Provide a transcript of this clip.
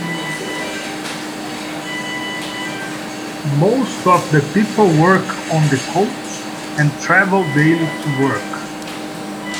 Most of the people work on the coast and travel daily to work.